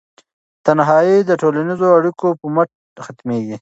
تنهایي د ټولنیزو اړیکو په مټ ختمیږي.